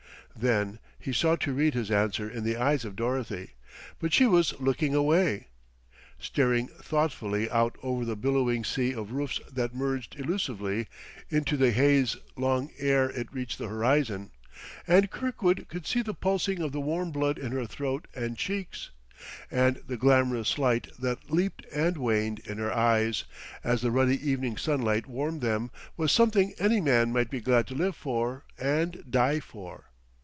Then he sought to read his answer in the eyes of Dorothy. But she was looking away, staring thoughtfully out over the billowing sea of roofs that merged illusively into the haze long ere it reached the horizon; and Kirkwood could see the pulsing of the warm blood in her throat and cheeks; and the glamorous light that leaped and waned in her eyes, as the ruddy evening sunlight warmed them, was something any man might be glad to live for and die for....